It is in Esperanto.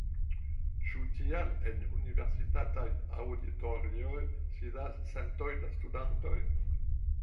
Ĉu tial en universitataj aŭditorioj sidas centoj da studantoj?